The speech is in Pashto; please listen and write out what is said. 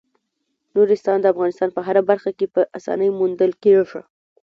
نورستان د افغانستان په هره برخه کې په اسانۍ موندل کېږي.